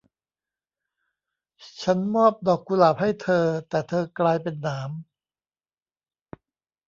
ฉับมอบดอกกุหลาบให้เธอ แต่เธอกลายเป็นหนาม